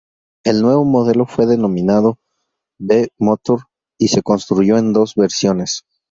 El nuevo modelo fue denominado V-Motor y se construyó en dos versiones.